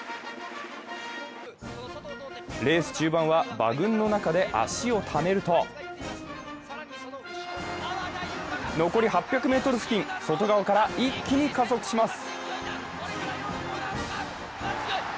レース中盤は馬群の中で足をためると残り８００ｍ付近、外側から一気に加速します。